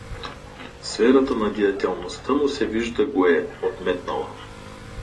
Сферата на деятелността му, се вижда, го е отметнала.